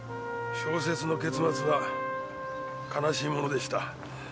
小説の結末は悲しいものでした。